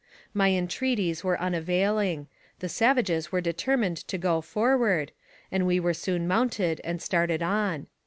My entreaties were unavailing; the savages were determined to go forward, and we were soon mounted and started on.